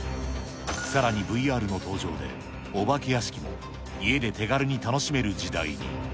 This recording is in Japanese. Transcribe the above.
さらにＶＲの登場で、お化け屋敷も家で手軽に楽しめる時代に。